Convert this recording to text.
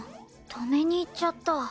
止めに行っちゃった。